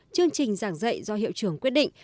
chương trình giảng dạy do hiệu trưởng quyết định